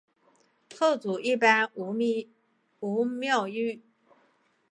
后主一般无庙谥。